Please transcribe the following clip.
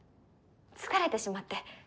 疲れてしまって。